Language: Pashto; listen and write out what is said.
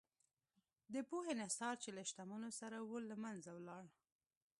د پوهې انحصار چې له شتمنو سره و، له منځه لاړ.